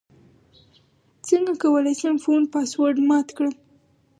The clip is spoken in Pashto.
څنګه کولی شم د فون پاسورډ مات کړم